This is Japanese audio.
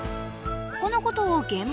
このことをえ？